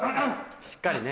しっかりね。